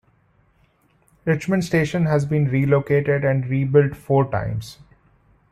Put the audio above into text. Richmond station has been relocated and rebuilt four times.